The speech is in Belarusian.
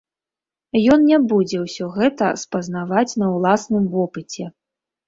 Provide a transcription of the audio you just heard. Ён не будзе ўсё гэта спазнаваць на ўласным вопыце.